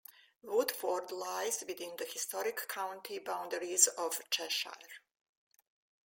Woodford lies within the historic county boundaries of Cheshire.